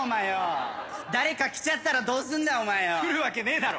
来るわけねえだろ。